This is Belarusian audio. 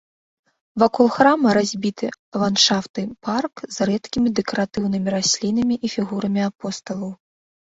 Вакол храма разбіты ландшафтны парк з рэдкімі дэкаратыўнымі раслінамі і фігурамі апосталаў.